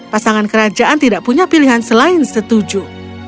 pasangan kerajaan tidak punya pilihan selain setuju